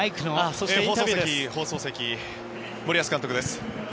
放送席、森保監督です。